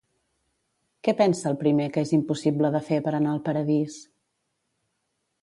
Què pensa el primer que és impossible de fer per anar al Paradís?